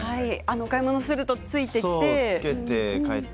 お買い物するとついてきて。